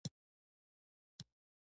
تاسو فکر کوئ چې دا ټول به موږ ونیسو؟